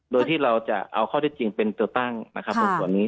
โดยที่เราจะเอาข้อเท็จจริงเป็นตัวตั้งส่วนนี้